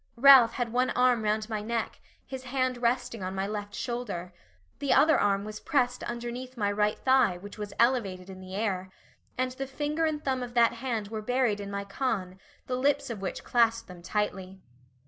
Ralph had one arm round my neck, his hand resting on my left shoulder; the other arm was pressed underneath my right thigh, which was elevated in the air, and the finger and thumb of that hand were buried in my con, the lips of which clasped them tightly.